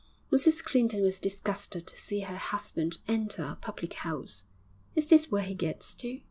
Mrs Clinton was disgusted to see her husband enter a public house. 'Is this where he gets to?'